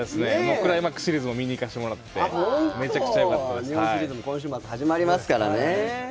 クライマックスシリーズも見に行かせてもらって日本シリーズも今週末、始まりますから。